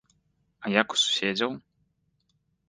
А як у суседзяў?